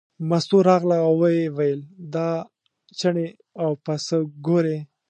مستو راغله او ویې ویل دا چینی او پسه ګورې.